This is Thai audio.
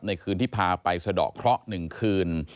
คืนที่พาไปสะดอกเคราะห์๑คืน